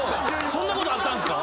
そんなことあったんすか